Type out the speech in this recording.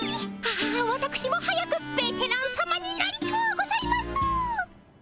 あわたくしも早くベテランさまになりとうございます。